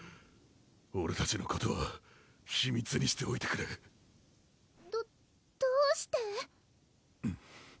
オレたちのことは秘密にしておいてくれどどうして？